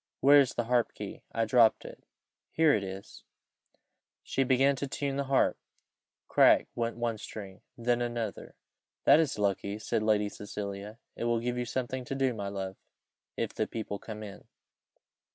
Where is the harp key? I dropped it here it is." She began to tune the harp. Crack went one string then another. "That is lucky," said Lady Cecilia, "it will give you something to do, my love, if the people come in."